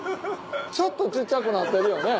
ちょっと小っちゃくなってるよね？